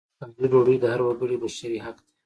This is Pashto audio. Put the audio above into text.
کور، کالي، ډوډۍ د هر وګړي بشري حق دی!